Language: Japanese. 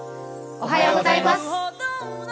おはようございます。